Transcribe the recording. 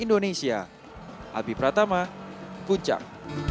indonesia habis pertama kucang